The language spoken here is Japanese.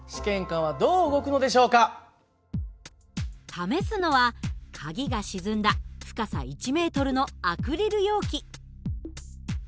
試すのは鍵が沈んだ深さ１ｍのアクリル容器。